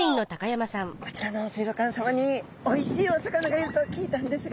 こちらの水族館さまにおいしいお魚がいると聞いたんですが。